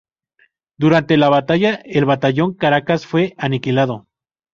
Durante la batalla el batallón Caracas fue aniquilado.